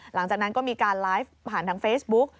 หลังจากนั้นก็มีการไลฟ์ผ่านทางเฟซบุ๊ก